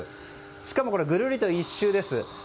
しかも、ぐるりと１周です。